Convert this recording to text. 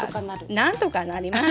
なんとかなります。